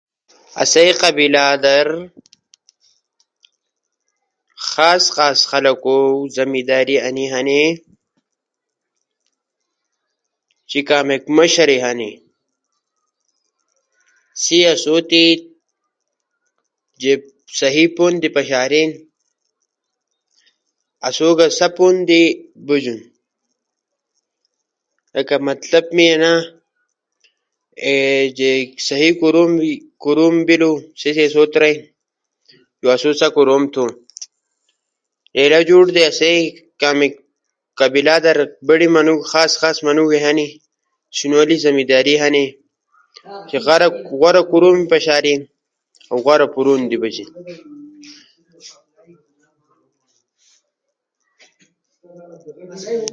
آسئی علاقہ در پخوانئی قصے لالے مشہور ہنی۔ آسئینبڑے ڈھاگے تمو زوانئی قصے تھینا۔ تمو پیادل سفرا قصہ تھینا۔ تمو اخکارے قصہ ئی تھینا۔ ہور جے قصہ ؤ در بارام شہزدا قصہ لالے مشہور ہنی۔ بہرام شہزدا قصہ ہر گوٹی در اسئی مشرے تمو بچو تی تھینا۔ قصہ ادیئی آسی کے پخوا زمانے در روم ملک در ایک باچا اسُو۔ باچا میراتی اسُو جے اولاد نی اسُو۔ سئی نوم کشور باچا اسُو۔ سیس کارا باچائی تمو مال دولت، تمو خزانا اللہ تی نام در صدقہ تھونو اعلان تھینا۔ جے فقیر خیر کارا الیسی نو باچا نوکر سئی تی زرو دینا۔ کے باچا گا جے اولاد نی بیلو۔ تخت کئی وارث نیِش۔ با ایک فقیر دعا کئی بہرام شہزدا پیدا بیلو۔ با زوان بیلو۔ با چکرا تی بجیسی۔ ایک دیس پون در بہرام شہزدا ایک ہوسی ݜکیسی۔ ہوسی کئی پتو تی گاؤ گاؤ ایک باغ تی آوینا۔ سیس در خاپیرو ست جھگڑا بینا۔ با دیو ست جھگڑا بینا، با ایک خاپتی ست بیبارے بینا۔ با واپس تمو ملک در بجینا۔ سئی قصہ لالو ڙیک ہنی۔ اؤ لالو مزیدار ہنی۔